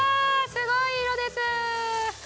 すごい色です。